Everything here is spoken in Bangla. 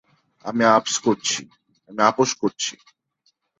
আমি আপস করছি।